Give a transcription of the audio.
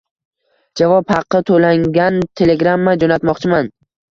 Javob haqi to’langan telegramma jo'natmoqchiman